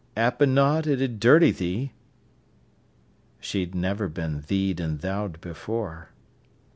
"'Appen not, it 'ud dirty thee." She had never been "thee'd" and "thou'd" before.